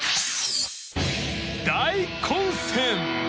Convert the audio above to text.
大混戦！